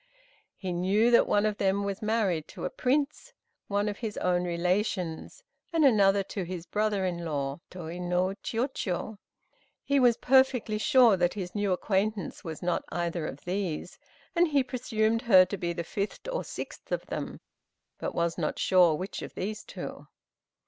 He knew that one of them was married to a Prince, one of his own relations, and another to his brother in law, Tô no Chiûjiô. He was perfectly sure that his new acquaintance was not either of these, and he presumed her to be the fifth or sixth of them, but was not sure which of these two.